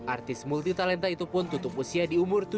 artis multi talenta itu pun tutup usia di umur tujuh belas